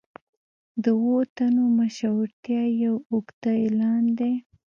د اوو تنو مشهورتیا یو اوږده اعلان دی.